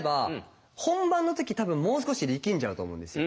本番の時多分もう少し力んじゃうと思うんですよ。